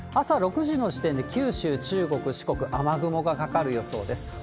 朝６時の時点で、九州、中国、四国、雨雲がかかる予想です。